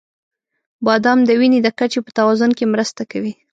• بادام د وینې د کچې په توازن کې مرسته کوي.